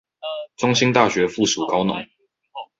中興大學附屬高農